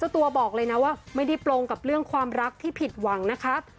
ตัวบอกเลยนะว่าไม่ได้ปลงกับเรื่องความรักที่ผิดหวังนะครับ